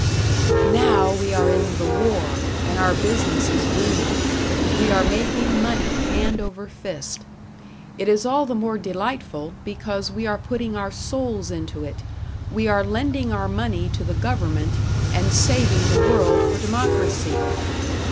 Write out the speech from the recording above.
Now we are in the War and our business is booming, we are making money hand over fist. It is all the more delightful, because we are putting our souls into it, we are lending our money to the government and saving the world for Democracy!